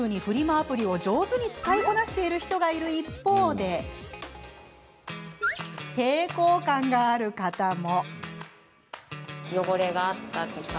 アプリを上手に使いこなしている人がいる一方で抵抗感がある方も。